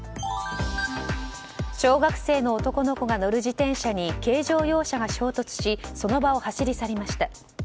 小学生の男の子が乗る自転車に軽乗用車が衝突しその場を走り去りました。